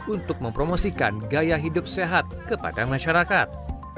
untuk mempromosikan gaya hidup sehat kepada masyarakat